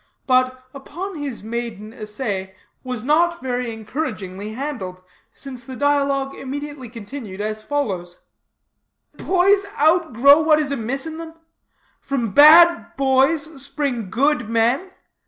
But, upon his maiden essay, was not very encouragingly handled, since the dialogue immediately continued as follows: "Boys outgrow what is amiss in them? From bad boys spring good men?